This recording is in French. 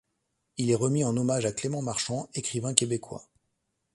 Il est remis en hommage à Clément Marchand, écrivain québécois.